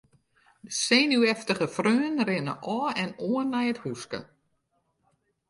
De senuweftige freonen rinne ôf en oan nei it húske.